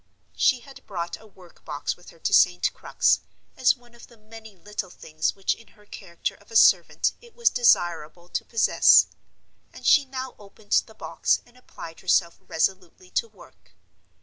She had brought a work box with her to St. Crux, as one of the many little things which in her character of a servant it was desirable to possess; and she now opened the box and applied herself resolutely to work.